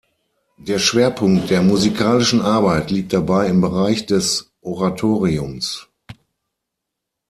Der Schwerpunkt der musikalischen Arbeit liegt dabei im Bereich des Oratoriums.